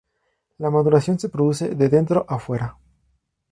La maduración se produce de dentro a fuera.